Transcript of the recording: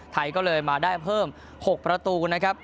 ไทยก็เลยมาได้เพิ่ม๖ประตูนะครับ